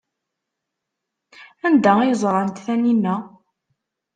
Anda ay ẓrant Taninna?